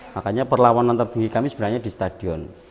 makanya perlawanan tertinggi kami sebenarnya di stadion